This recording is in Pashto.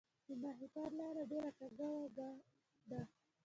د ماهیپر لاره ډیره کږه وږه ده